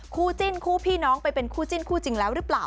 คู่จิ้นคู่พี่น้องไปเป็นคู่จิ้นคู่จริงแล้วหรือเปล่า